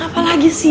kenapa lagi sih